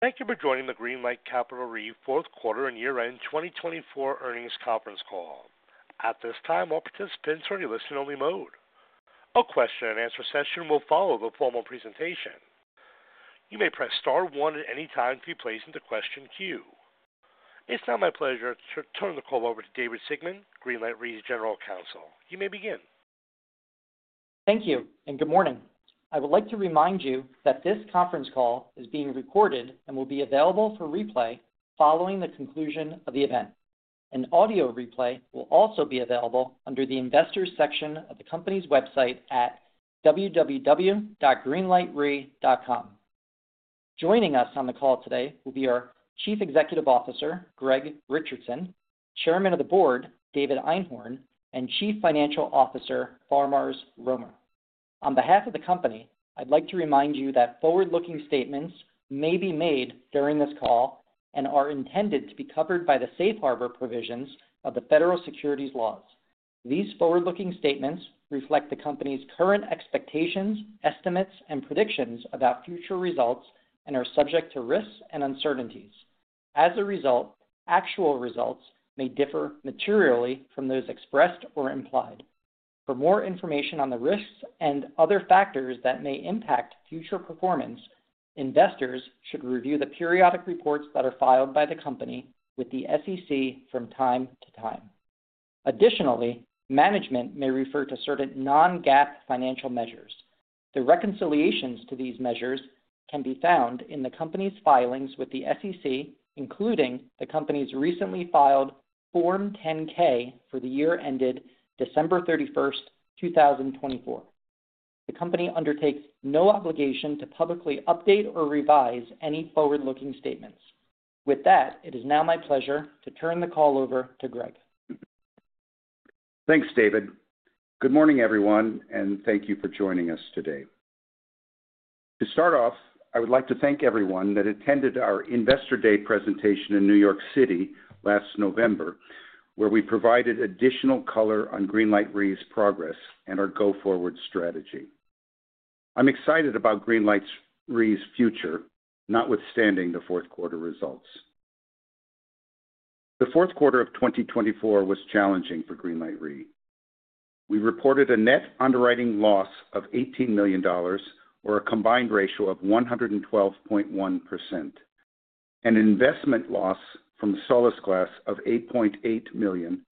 Thank you for joining the Greenlight Capital Re Fourth Quarter and Year-End 2024 Earnings Conference Call. At this time, all participants are in listen-only mode. A question-and-answer session will follow the formal presentation. You may press star one at any time to be placed into the question queue. It's now my pleasure to turn the call over to David Sigmon, Greenlight Capital Re General Counsel. You may begin. Thank you and good morning. I would like to remind you that this conference call is being recorded and will be available for replay following the conclusion of the event. An audio replay will also be available under the investors section of the company's website at www.greenlightre.com. Joining us on the call today will be our Chief Executive Officer, Greg Richardson, Chairman of the Board, David Einhorn, and Chief Financial Officer, Faramarz Romer. On behalf of the company, I'd like to remind you that forward-looking statements may be made during this call and are intended to be covered by the safe harbor provisions of the federal securities laws. These forward-looking statements reflect the company's current expectations, estimates, and predictions about future results and are subject to risks and uncertainties. As a result, actual results may differ materially from those expressed or implied. For more information on the risks and other factors that may impact future performance, investors should review the periodic reports that are filed by the company with the SEC from time to time. Additionally, management may refer to certain non-GAAP financial measures. The reconciliations to these measures can be found in the company's filings with the SEC, including the company's recently filed Form 10-K for the year ended December 31, 2024. The company undertakes no obligation to publicly update or revise any forward-looking statements. With that, it is now my pleasure to turn the call over to Greg. Thanks, David. Good morning, everyone, and thank you for joining us today. To start off, I would like to thank everyone that attended our Investor Day presentation in New York City last November, where we provided additional color on Greenlight Capital Re's progress and our go-forward strategy. I'm excited about Greenlight Capital Re's future, notwithstanding the fourth quarter results. The Fourth Quarter of 2024 was challenging for Greenlight Capital Re. We reported a net underwriting loss of $18 million, or a combined ratio of 112.1%, and an investment loss from the Solasglas of $8.8 million,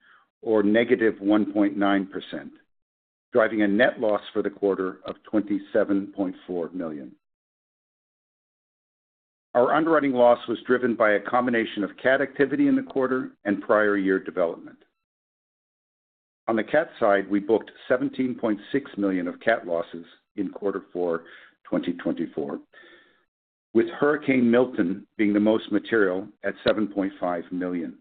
or negative 1.9%, driving a net loss for the quarter of $27.4 million. Our underwriting loss was driven by a combination of CAT activity in the quarter and prior year development. On the CAT side, we booked $17.6 million of CAT losses in quarter four, 2024, with Hurricane Milton being the most material at $7.5 million.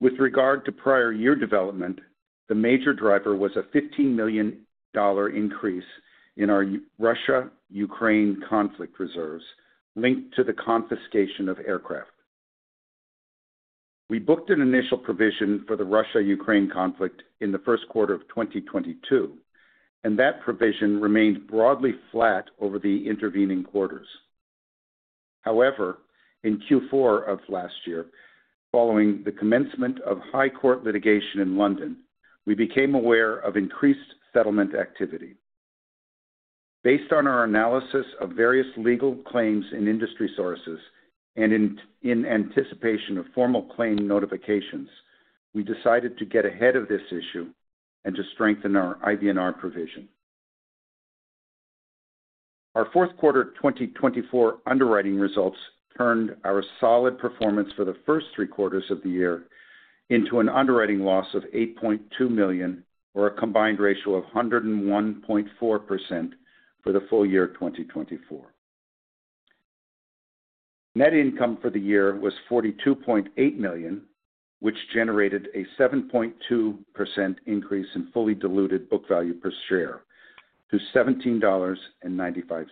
With regard to prior year development, the major driver was a $15 million increase in our Russia-Ukraine conflict reserves linked to the confiscation of aircraft. We booked an initial provision for the Russia-Ukraine conflict in the first quarter of 2022, and that provision remained broadly flat over the intervening quarters. However, in Q4 of last year, following the commencement of high-court litigation in London, we became aware of increased settlement activity. Based on our analysis of various legal claims in industry sources and in anticipation of formal claim notifications, we decided to get ahead of this issue and to strengthen our IBNR provision. Our fourth quarter 2024 underwriting results turned our solid performance for the first three quarters of the year into an underwriting loss of $8.2 million, or a combined ratio of 101.4% for the full year 2024. Net income for the year was $42.8 million, which generated 87.2% increase in fully diluted book value per share to $17.95.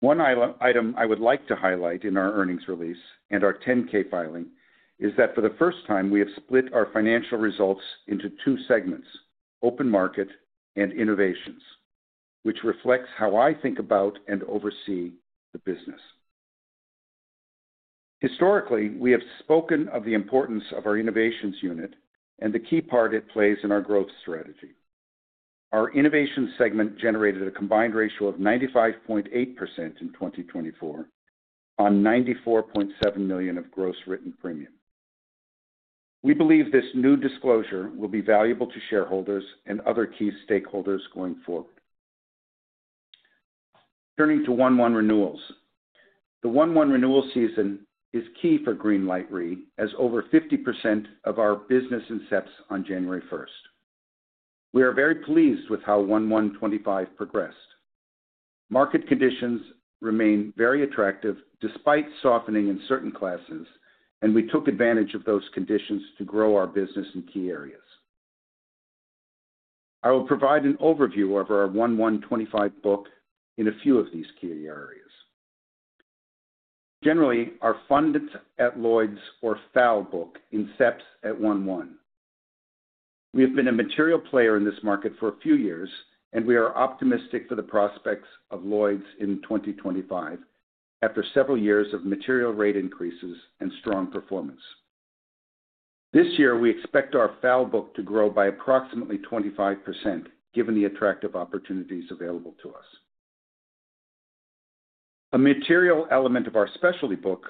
One item I would like to highlight in our earnings release and our 10-K filing is that for the first time, we have split our financial results into two segments, open market and innovations, which reflects how I think about and oversee the business. Historically, we have spoken of the importance of our innovations unit and the key part it plays in our growth strategy. Our innovation segment generated a combined ratio of 95.8% in 2024 on $94.7 million of gross written premium. We believe this new disclosure will be valuable to shareholders and other key stakeholders going forward. Turning to 1/1 renewals, the 1/1 renewal season is key for Greenlight Capital Re as over 50% of our business incepts on January 1. We are very pleased with how 1/1 2025 progressed. Market conditions remain very attractive despite softening in certain classes, and we took advantage of those conditions to grow our business in key areas. I will provide an overview of our 1/1 2025 book in a few of these key areas. Generally, our funds at Lloyd's or FAL book incepts at 1/1. We have been a material player in this market for a few years, and we are optimistic for the prospects of Lloyd's in 2025 after several years of material rate increases and strong performance. This year, we expect our FAL book to grow by approximately 25% given the attractive opportunities available to us. A material element of our specialty book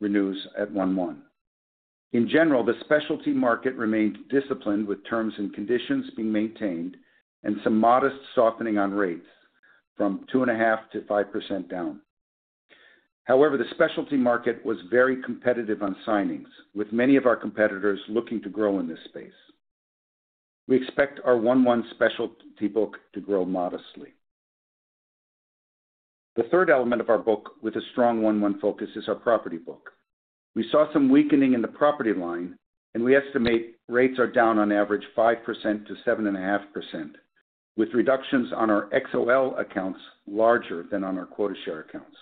renews at 1/1. In general, the specialty market remained disciplined, with terms and conditions being maintained and some modest softening on rates from 2.5%-5% down. However, the specialty market was very competitive on signings, with many of our competitors looking to grow in this space. We expect our 1/1 specialty book to grow modestly. The third element of our book with a strong 1/1 focus is our property book. We saw some weakening in the property line, and we estimate rates are down on average 5%-7.5%, with reductions on our XOL accounts larger than on our quota share accounts.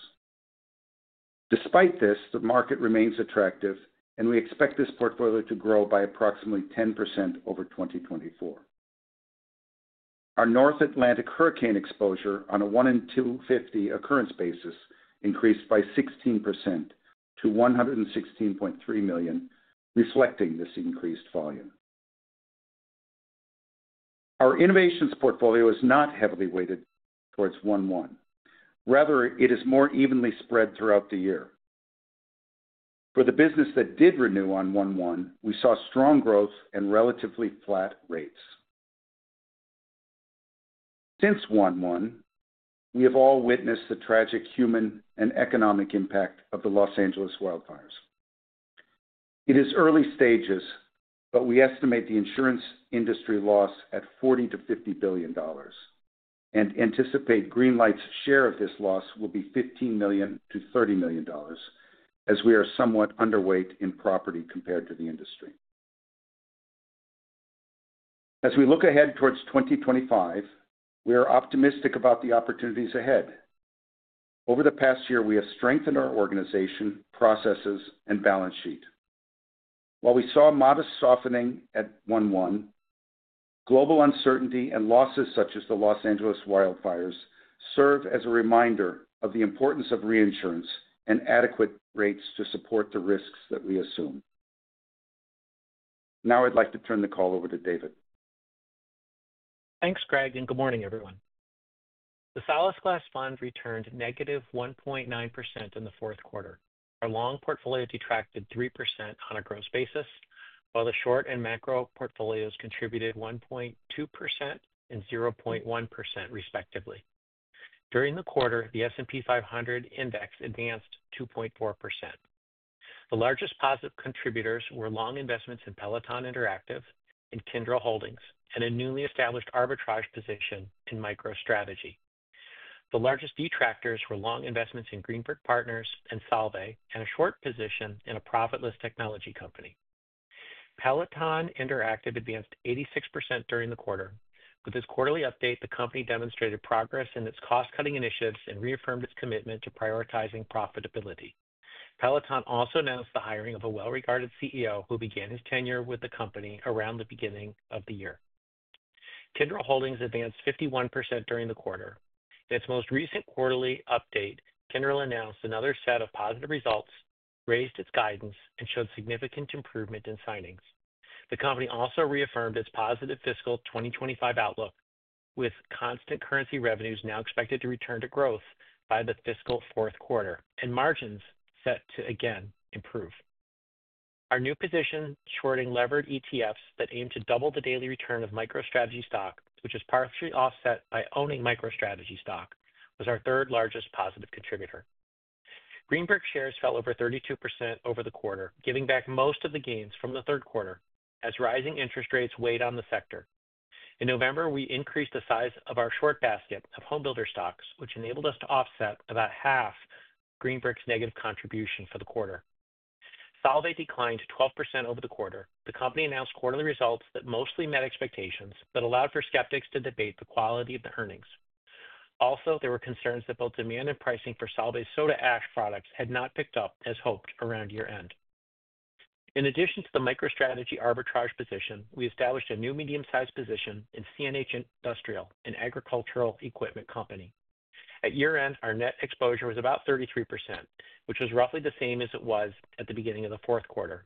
Despite this, the market remains attractive, and we expect this portfolio to grow by approximately 10% over 2024. Our North Atlantic hurricane exposure on a one in 250 occurrence basis increased by 16% to $116.3 million, reflecting this increased volume. Our innovations portfolio is not heavily weighted towards 1/1. Rather, it is more evenly spread throughout the year. For the business that did renew on 1/1, we saw strong growth and relatively flat rates. Since 1/1, we have all witnessed the tragic human and economic impact of the Los Angeles wildfires. It is early stages, but we estimate the insurance industry loss at $40 billion-$50 billion and anticipate Greenlight's share of this loss will be $15 million-$30 million as we are somewhat underweight in property compared to the industry. As we look ahead towards 2025, we are optimistic about the opportunities ahead. Over the past year, we have strengthened our organization, processes, and balance sheet. While we saw modest softening at 1/1, global uncertainty and losses such as the Los Angeles wildfires serve as a reminder of the importance of reinsurance and adequate rates to support the risks that we assume. Now I'd like to turn the call over to David. Thanks, Greg, and good morning, everyone. The Solasglas investment fund returned negative 1.9% in the fourth quarter. Our long portfolio detracted 3% on a gross basis, while the short and macro portfolios contributed 1.2% and 0.1%, respectively. During the quarter, the S&P 500 index advanced 2.4%. The largest positive contributors were long investments in Peloton Interactive and Green Brick Partners and a newly established arbitrage position in MicroStrategy. The largest detractors were long investments in Solvay and a short position in a profitless technology company. Peloton Interactive advanced 86% during the quarter. With its quarterly update, the company demonstrated progress in its cost-cutting initiatives and reaffirmed its commitment to prioritizing profitability. Peloton also announced the hiring of a well-regarded CEO who began his tenure with the company around the beginning of the year. Green Brick Partners advanced 51% during the quarter. In its most recent quarterly update, Kyndryl announced another set of positive results, raised its guidance, and showed significant improvement in signings. The company also reaffirmed its positive fiscal 2025 outlook, with constant currency revenues now expected to return to growth by the fiscal fourth quarter and margins set to again improve. Our new position, shorting levered ETFs that aim to double the daily return of MicroStrategy stock, which is partially offset by owning MicroStrategy stock, was our third largest positive contributor. Greenlight Capital Re shares fell over 32% over the quarter, giving back most of the gains from the third quarter as rising interest rates weighed on the sector. In November, we increased the size of our short basket of homebuilder stocks, which enabled us to offset about half of Greenlight Capital Re's negative contribution for the quarter. Solvay declined 12% over the quarter. The company announced quarterly results that mostly met expectations but allowed for skeptics to debate the quality of the earnings. Also, there were concerns that both demand and pricing for Solvay's soda ash products had not picked up as hoped around year-end. In addition to the MicroStrategy arbitrage position, we established a new medium-sized position in CNH Industrial, an agricultural equipment company. At year-end, our net exposure was about 33%, which was roughly the same as it was at the beginning of the fourth quarter.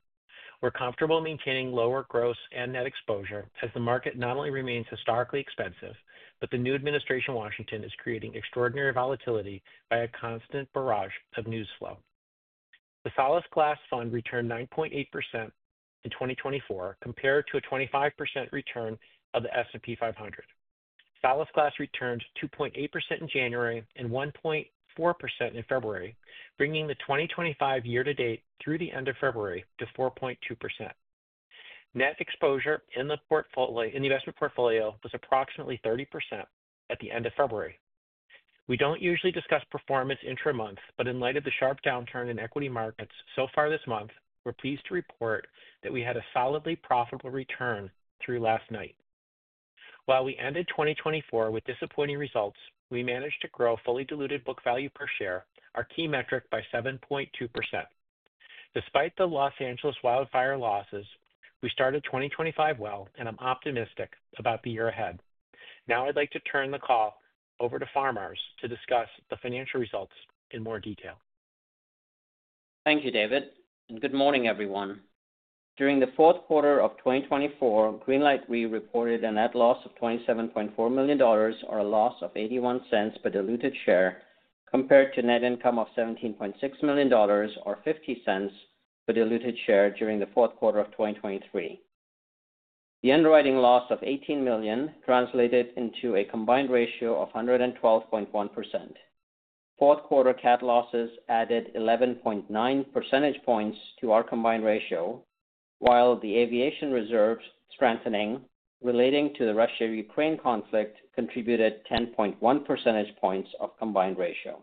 We're comfortable maintaining lower gross and net exposure as the market not only remains historically expensive, but the new administration in Washington is creating extraordinary volatility by a constant barrage of news flow. The Solasglas investment fund returned 9.8% in 2024 compared to a 25% return of the S&P 500. Solasglas returned 2.8% in January and 1.4% in February, bringing the 2025 year-to-date through the end of February to 4.2%. Net exposure in the investment portfolio was approximately 30% at the end of February. We do not usually discuss performance intra-month, but in light of the sharp downturn in equity markets so far this month, we are pleased to report that we had a solidly profitable return through last night. While we ended 2024 with disappointing results, we managed to grow fully diluted book value per share, our key metric, by 7.2%. Despite the Los Angeles wildfire losses, we started 2025 well, and I am optimistic about the year ahead. Now I would like to turn the call over to Faramarz to discuss the financial results in more detail. Thank you, David. Good morning, everyone. During the Fourth Quarter of 2024, Greenlight Capital Re reported a net loss of $27.4 million or a loss of $0.81 per diluted share compared to net income of $17.6 million or $0.50 per diluted share during the Fourth Quarter of 2023. The underwriting loss of $18 million translated into a combined ratio of 112.1%. Fourth quarter CAT losses added 11.9 percentage points to our combined ratio, while the aviation reserves strengthening relating to the Russia-Ukraine conflict contributed 10.1 percentage points of combined ratio.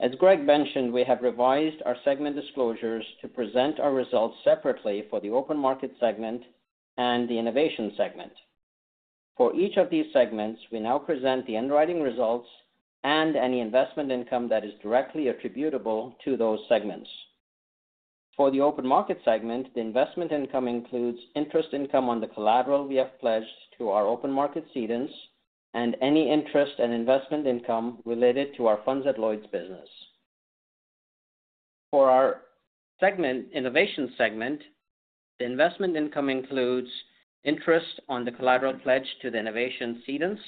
As Greg mentioned, we have revised our segment disclosures to present our results separately for the open market segment and the innovation segment. For each of these segments, we now present the underwriting results and any investment income that is directly attributable to those segments. For the open market segment, the investment income includes interest income on the collateral we have pledged to our open market cedents and any interest and investment income related to our funds at Lloyd's business. For our innovation segment, the investment income includes interest on the collateral pledged to the innovation cedents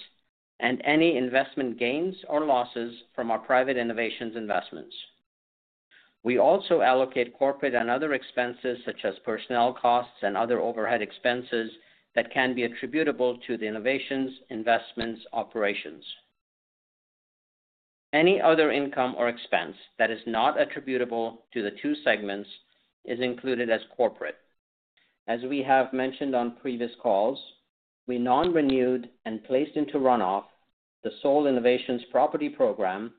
and any investment gains or losses from our private innovations investments. We also allocate corporate and other expenses such as personnel costs and other overhead expenses that can be attributable to the innovations investments operations. Any other income or expense that is not attributable to the two segments is included as corporate. As we have mentioned on previous calls, we non-renewed and placed into runoff the sole innovations property program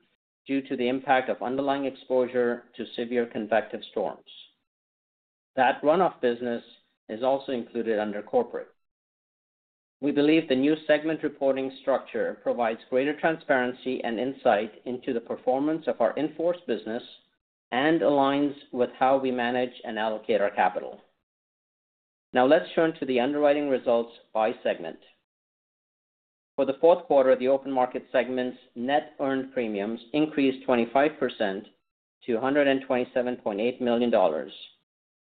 due to the impact of underlying exposure to severe convective storms. That runoff business is also included under corporate. We believe the new segment reporting structure provides greater transparency and insight into the performance of our in-force business and aligns with how we manage and allocate our capital. Now let's turn to the underwriting results by segment. For the fourth quarter, the open market segment's net earned premiums increased 25% to $127.8 million,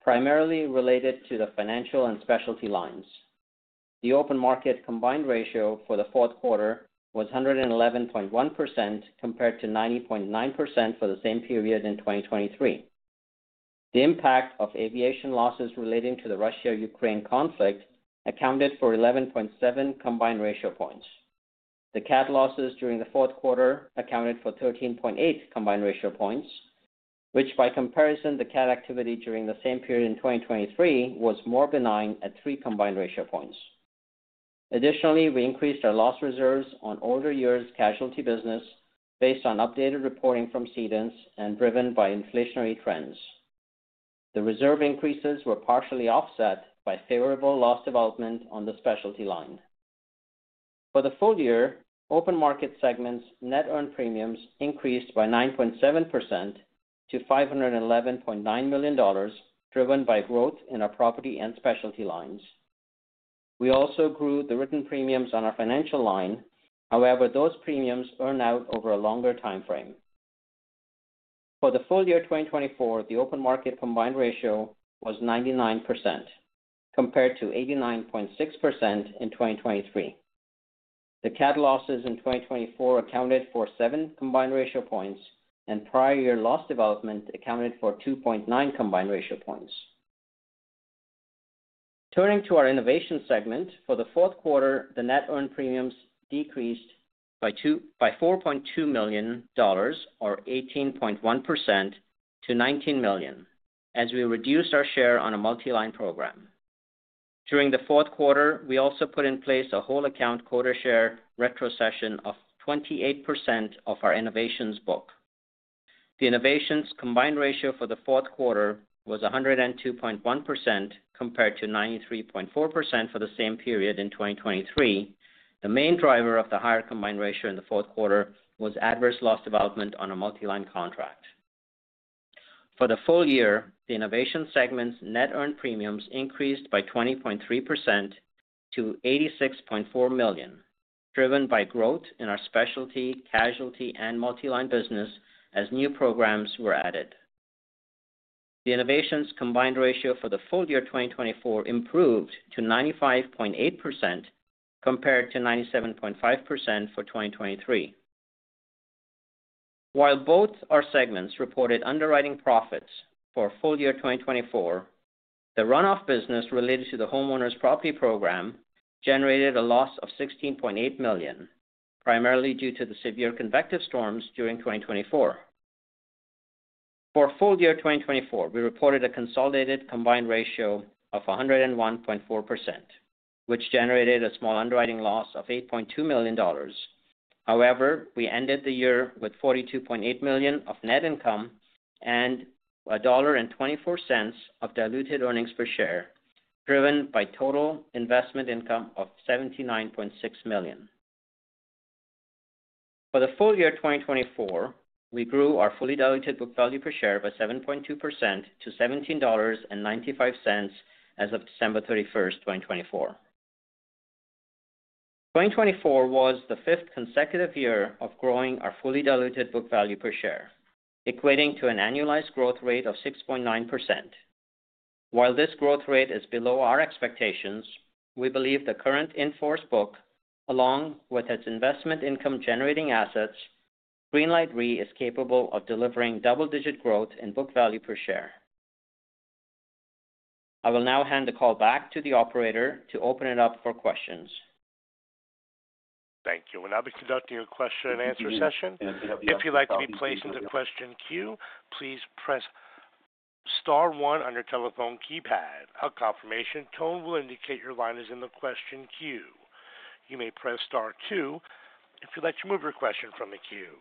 primarily related to the financial and specialty lines. The open market combined ratio for the fourth quarter was 111.1% compared to 90.9% for the same period in 2023. The impact of aviation losses relating to the Russia-Ukraine conflict accounted for 11.7 combined ratio points. The CAT losses during the fourth quarter accounted for 13.8 combined ratio points, which by comparison, the CAT activity during the same period in 2023 was more benign at 3 combined ratio points. Additionally, we increased our loss reserves on older years' casualty business based on updated reporting from cedents and driven by inflationary trends. The reserve increases were partially offset by favorable loss development on the specialty lines. For the full year, open market segment's net earned premiums increased by 9.7% to $511.9 million, driven by growth in our property and specialty lines. We also grew the written premiums on our financial lines. However, those premiums earn out over a longer time frame. For the full year 2024, the open market combined ratio was 99% compared to 89.6% in 2023. The CAT losses in 2024 accounted for 7 combined ratio points, and prior year loss development accounted for 2.9 combined ratio points. Turning to our innovation segment, for the fourth quarter, the net earned premiums decreased by $4.2 million or 18.1% to $19 million as we reduced our share on a multi-line program. During the fourth quarter, we also put in place a whole account quota share retrocession of 28% of our innovations book. The innovations combined ratio for the fourth quarter was 102.1% compared to 93.4% for the same period in 2023. The main driver of the higher combined ratio in the fourth quarter was adverse loss development on a multi-line contract. For the full year, the innovation segment's net earned premiums increased by 20.3% to $86.4 million, driven by growth in our specialty, casualty, and multi-line business as new programs were added. The innovations combined ratio for the full year 2024 improved to 95.8% compared to 97.5% for 2023. While both our segments reported underwriting profits for full year 2024, the runoff business related to the homeowners property program generated a loss of $16.8 million, primarily due to the severe convective storms during 2024. For full year 2024, we reported a consolidated combined ratio of 101.4%, which generated a small underwriting loss of $8.2 million. However, we ended the year with $42.8 million of net income and $1.24 of diluted earnings per share, driven by total investment income of $79.6 million. For the full year 2024, we grew our fully diluted book value per share by 7.2% to $17.95 as of December 31st, 2024. 2024 was the fifth consecutive year of growing our fully diluted book value per share, equating to an annualized growth rate of 6.9%. While this growth rate is below our expectations, we believe the current in-force book, along with its investment income generating assets, Greenlight Capital Re is capable of delivering double-digit growth in book value per share. I will now hand the call back to the operator to open it up for questions. Thank you. I'll be conducting a question-and-answer session. If you'd like to be placed into the question queue, please press star one on your telephone keypad. A confirmation tone will indicate your line is in the question queue. You may press star two if you'd like to remove your question from the queue.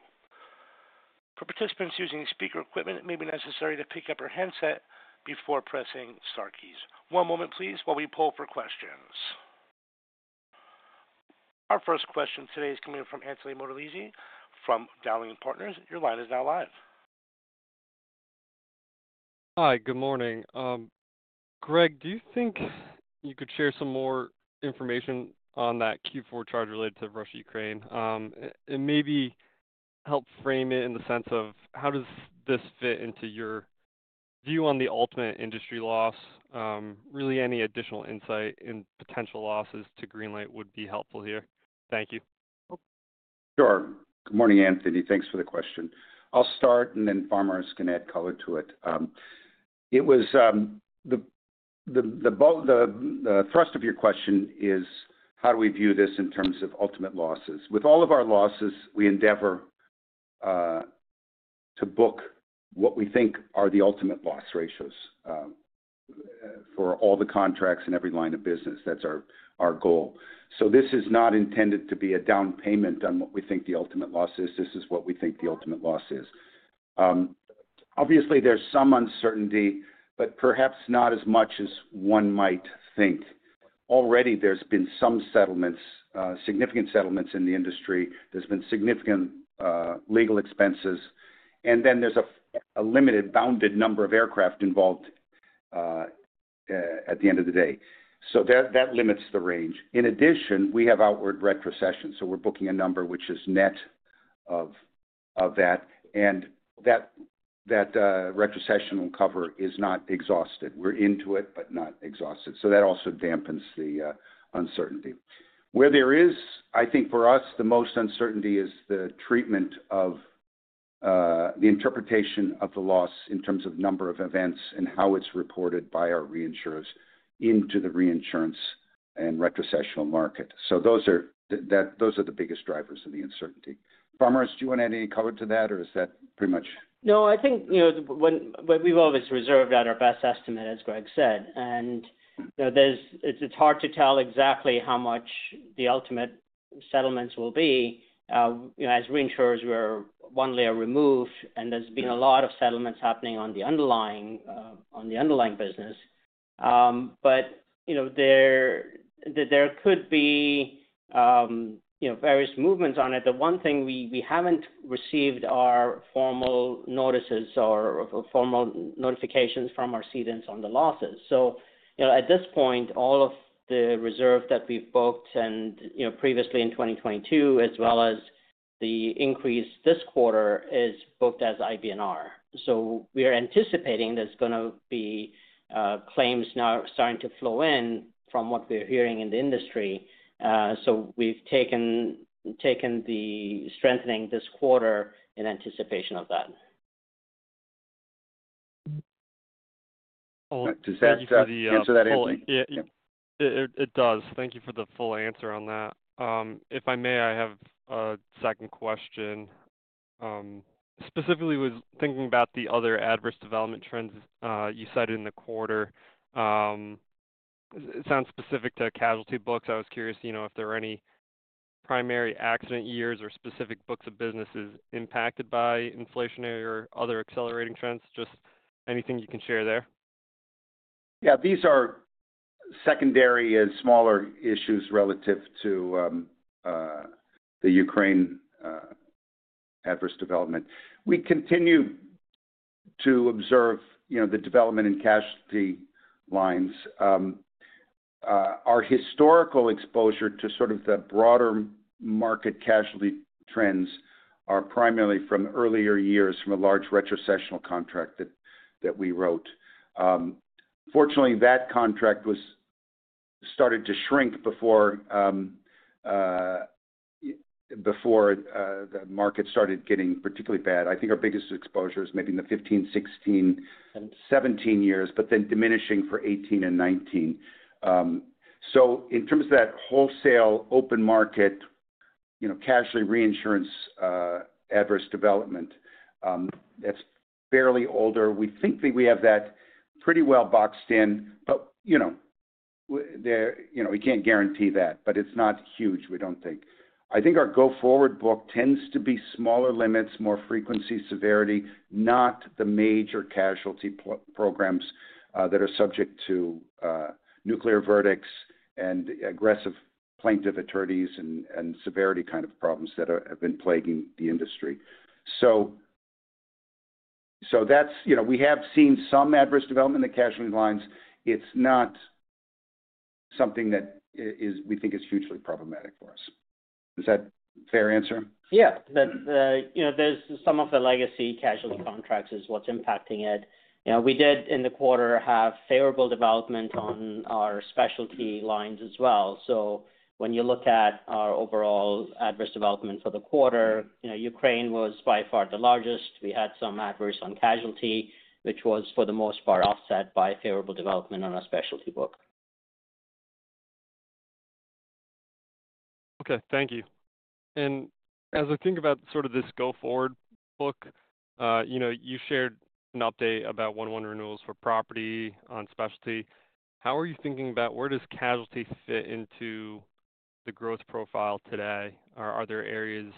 For participants using speaker equipment, it may be necessary to pick up your handset before pressing star keys. One moment, please, while we pull for questions. Our first question today is coming from Anthony Mottolese from Dowling & Partners. Your line is now live. Hi, good morning. Greg, do you think you could share some more information on that Q4 charge related to Russia-Ukraine? It maybe helps frame it in the sense of how this fits into your view on the ultimate industry loss? Really, any additional insight in potential losses to Greenlight would be helpful here. Thank you. Sure. Good morning, Anthony. Thanks for the question. I'll start, and then Faramarz can add color to it. The thrust of your question is how do we view this in terms of ultimate losses? With all of our losses, we endeavor to book what we think are the ultimate loss ratios for all the contracts and every line of business. That's our goal. This is not intended to be a down payment on what we think the ultimate loss is. This is what we think the ultimate loss is. Obviously, there's some uncertainty, but perhaps not as much as one might think. Already, there's been some settlements, significant settlements in the industry. There's been significant legal expenses. There is a limited, bounded number of aircraft involved at the end of the day. That limits the range. In addition, we have outward retrocession. We're booking a number which is net of that. That retrocessional cover is not exhausted. We're into it, but not exhausted. That also dampens the uncertainty. Where there is, I think for us, the most uncertainty is the treatment of the interpretation of the loss in terms of number of events and how it's reported by our reinsurers into the reinsurance and retrocessional market. Those are the biggest drivers of the uncertainty. Faramarz, do you want to add any color to that, or is that pretty much? No, I think we've always reserved our best estimate, as Greg said. It's hard to tell exactly how much the ultimate settlements will be. As reinsurers, we're one layer removed, and there's been a lot of settlements happening on the underlying business. There could be various movements on it. The one thing we haven't received are formal notices or formal notifications from our cedents on the losses. At this point, all of the reserve that we've booked previously in 2022, as well as the increase this quarter, is booked as IBNR. We are anticipating there's going to be claims now starting to flow in from what we're hearing in the industry. We've taken the strengthening this quarter in anticipation of that. Does that answer that? It does. Thank you for the full answer on that. If I may, I have a second question. Specifically, I was thinking about the other adverse development trends you cited in the quarter. It sounds specific to casualty books. I was curious if there were any primary accident years or specific books of businesses impacted by inflationary or other accelerating trends. Just anything you can share there? Yeah. These are secondary and smaller issues relative to the Ukraine adverse development. We continue to observe the development in casualty lines. Our historical exposure to sort of the broader market casualty trends are primarily from earlier years from a large retrocessional contract that we wrote. Fortunately, that contract started to shrink before the market started getting particularly bad. I think our biggest exposure is maybe in the 2015, 2016, 2017 years, but then diminishing for 2018 and 2019. In terms of that wholesale open market casualty reinsurance adverse development, that's fairly older. We think we have that pretty well boxed in, but we can't guarantee that. It is not huge, we don't think. I think our go-forward book tends to be smaller limits, more frequency, severity, not the major casualty programs that are subject to nuclear verdicts and aggressive plaintiff attorneys and severity kind of problems that have been plaguing the industry. We have seen some adverse development in the casualty lines. It's not something that we think is hugely problematic for us. Is that a fair answer? Yeah. Some of the legacy casualty contracts is what's impacting it. We did, in the quarter, have favorable development on our specialty lines as well. When you look at our overall adverse development for the quarter, Ukraine was by far the largest. We had some adverse on casualty, which was, for the most part, offset by favorable development on our specialty book. Okay. Thank you. As I think about sort of this go-forward book, you shared an update about one-to-one renewals for property on specialty. How are you thinking about where does casualty fit into the growth profile today? Are there areas,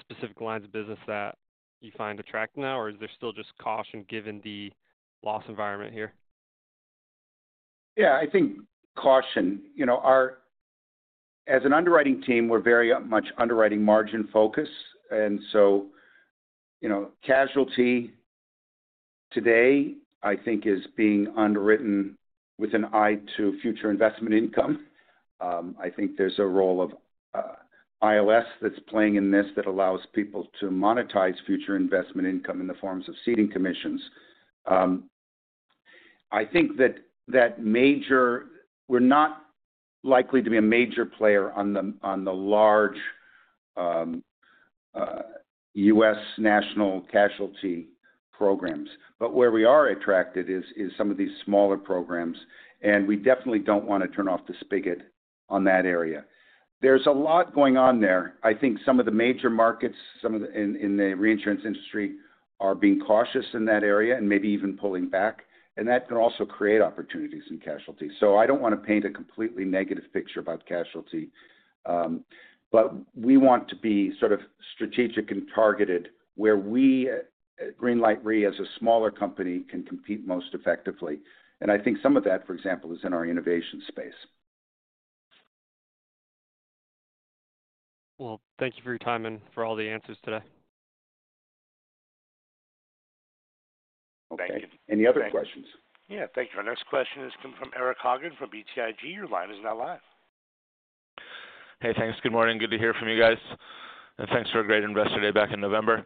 specific lines of business that you find attractive now, or is there still just caution given the loss environment here? Yeah. I think caution. As an underwriting team, we're very much underwriting margin focus. And so casualty today, I think, is being underwritten with an eye to future investment income. I think there's a role of ILS that's playing in this that allows people to monetize future investment income in the forms of ceding commissions. I think that we're not likely to be a major player on the large U.S. national casualty programs. Where we are attracted is some of these smaller programs. We definitely don't want to turn off the spigot on that area. There's a lot going on there. I think some of the major markets in the reinsurance industry are being cautious in that area and maybe even pulling back. That can also create opportunities in casualty. I don't want to paint a completely negative picture about casualty. We want to be sort of strategic and targeted where Greenlight Capital Re, as a smaller company, can compete most effectively. I think some of that, for example, is in our innovation space. Thank you for your time and for all the answers today. Thank you. Any other questions? Yeah. Thank you. Our next question is coming from Eric Hagen from BTIG. Your line is now live. Hey, thanks. Good morning. Good to hear from you guys. Thanks for a great investor day back in November.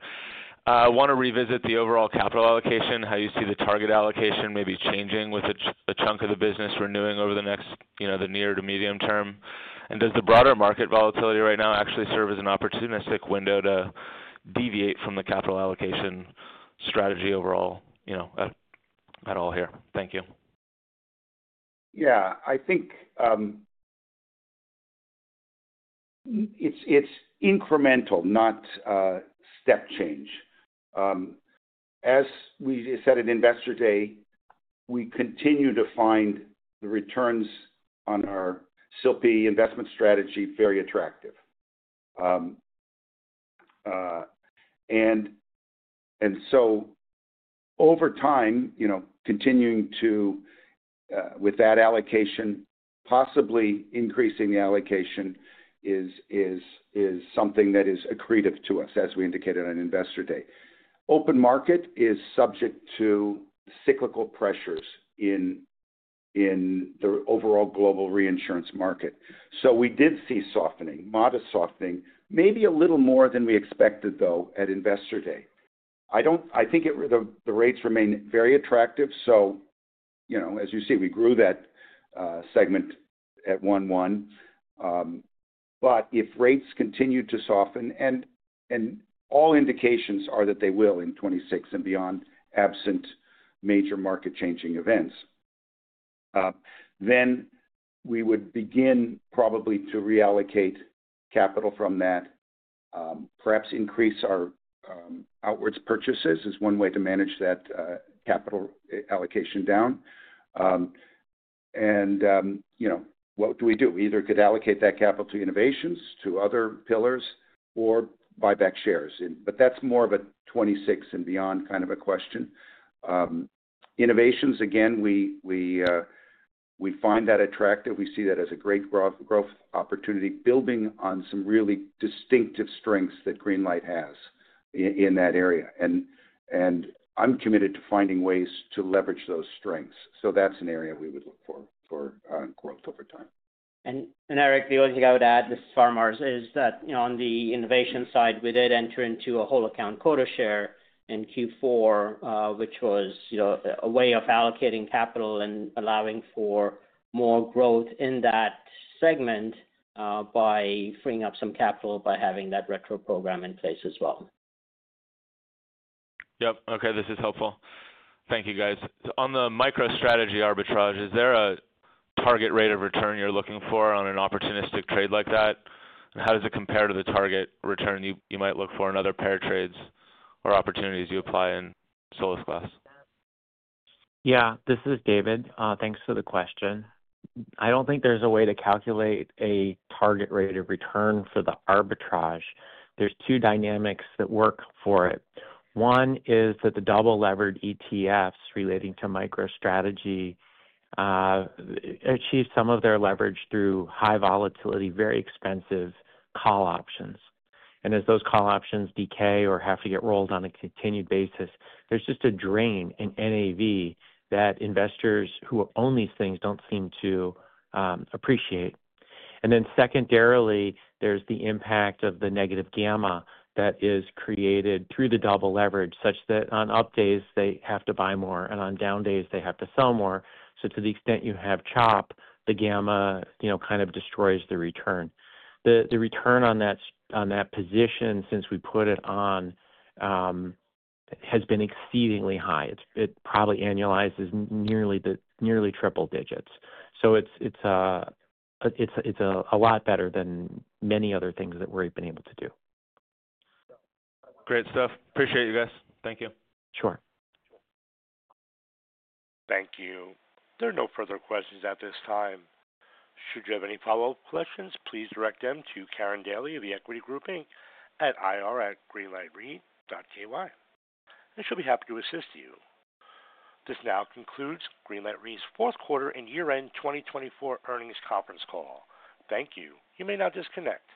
I want to revisit the overall capital allocation, how you see the target allocation maybe changing with a chunk of the business renewing over the near to medium term. Does the broader market volatility right now actually serve as an opportunistic window to deviate from the capital allocation strategy overall at all here? Thank you. Yeah. I think it's incremental, not step change. As we said at investor day, we continue to find the returns on our SIP investment strategy very attractive. And so over time, continuing with that allocation, possibly increasing the allocation is something that is accretive to us, as we indicated on investor day. Open market is subject to cyclical pressures in the overall global reinsurance market. We did see softening, modest softening, maybe a little more than we expected, though, at investor day. I think the rates remain very attractive. As you see, we grew that segment at 1/1. If rates continue to soften, and all indications are that they will in 2026 and beyond, absent major market-changing events, we would begin probably to reallocate capital from that, perhaps increase our outwards purchases is one way to manage that capital allocation down. What do we do? We either could allocate that capital to innovations, to other pillars, or buy back shares. That is more of a '26 and beyond kind of a question. Innovations, again, we find that attractive. We see that as a great growth opportunity, building on some really distinctive strengths that Greenlight has in that area. I am committed to finding ways to leverage those strengths. That is an area we would look for growth over time. Eric, the only thing I would add, this is Faramarz, is that on the innovation side, we did enter into a whole-account quota share in Q4, which was a way of allocating capital and allowing for more growth in that segment by freeing up some capital by having that retro program in place as well. Yep. Okay. This is helpful. Thank you, guys. On the MicroStrategy arbitrage, is there a target rate of return you're looking for on an opportunistic trade like that? How does it compare to the target return you might look for in other pair trades or opportunities you apply in Solasglas? Yeah. This is David. Thanks for the question. I don't think there's a way to calculate a target rate of return for the arbitrage. There's two dynamics that work for it. One is that the double-levered ETFs relating to MicroStrategy achieve some of their leverage through high volatility, very expensive call options. As those call options decay or have to get rolled on a continued basis, there's just a drain in NAV that investors who own these things don't seem to appreciate. Secondarily, there's the impact of the negative gamma that is created through the double leverage such that on updays, they have to buy more, and on downdays, they have to sell more. To the extent you have chop, the gamma kind of destroys the return. The return on that position, since we put it on, has been exceedingly high. It probably annualizes nearly triple digits. It is a lot better than many other things that we've been able to do. Great stuff. Appreciate you guys. Thank you. Sure. Thank you. There are no further questions at this time. Should you have any follow-up questions, please direct them to Karin Daly of Equity Group Inc. at ir@greenlightre.ky. She'll be happy to assist you. This now concludes Greenlight Capital Re's Fourth Quarter and Year-End 2024 earnings conference call. Thank you. You may now disconnect.